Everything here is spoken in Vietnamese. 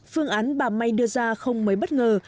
phương án bà may đưa ra không mấy bất ngờ